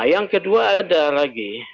yang kedua ada lagi